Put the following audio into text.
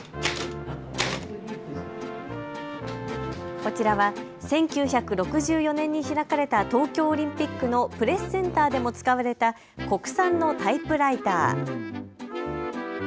こちらは１９６４年に開かれた東京オリンピックのプレスセンターでも使われた国産のタイプライター。